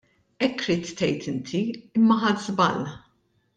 Hekk ridt tgħid inti imma ħadt żball.